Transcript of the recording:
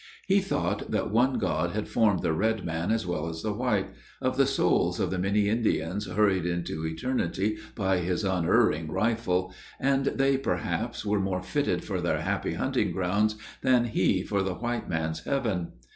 He thought that one God had formed the red man as well as the white of the souls of the many Indians hurried into eternity by his unerring rifle; and they, perhaps, were more fitted for their "happy hunting grounds," than he for the white man's heaven.